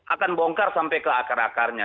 akan bongkar sampai ke akar akarnya